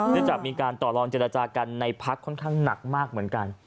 จากมีการต่อลองเจรจากันในพักค่อนข้างหนักมากเหมือนกัน